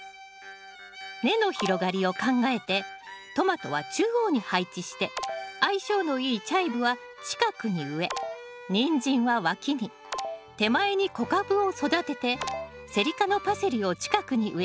根の広がりを考えてトマトは中央に配置して相性のいいチャイブは近くに植えニンジンは脇に手前に小カブを育ててセリ科のパセリを近くに植えます。